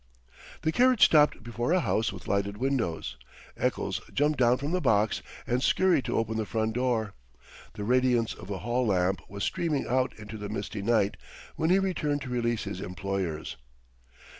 The carriage stopped before a house with lighted windows. Eccles jumped down from the box and scurried to open the front door. The radiance of a hall lamp was streaming out into the misty night when he returned to release his employers.